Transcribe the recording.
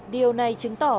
điều này chứng tỏ